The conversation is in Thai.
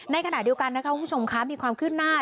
ในขณะเดียวกันนะคะคุณผู้ชมคะมีความขึ้นหน้า